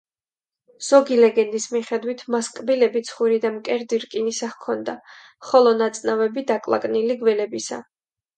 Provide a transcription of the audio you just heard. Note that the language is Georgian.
ზოგი ლეგენდის მიხედვით მას კბილები, ცხვირი და მკერდი რკინის ჰქონდა, ხოლო ნაწნავები დაკლაკნილი გველებისა.